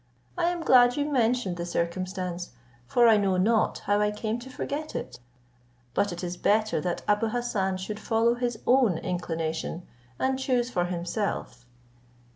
I am glad you mentioned the circumstance; for I know not how I came to forget it. But it is better that Abou Hassan should follow his own inclination, and choose for himself.